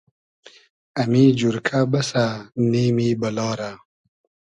امی جورکۂ بئسۂ نیمی بئلا رۂ